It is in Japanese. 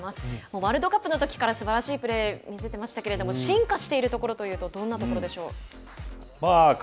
ワールドカップのときからすばらしいプレーを見せていましたけれども進化しているところというとどんなところでしょうか。